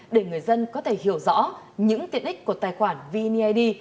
để người dân có thể hiểu rõ những tiện ích của tài khoản vned